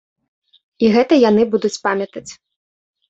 І гэта яны будуць памятаць.